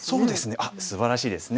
あっすばらしいですね。